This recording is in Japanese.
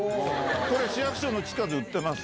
これ、市役所の地下で売ってます。